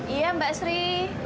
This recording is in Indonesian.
iya mbak sri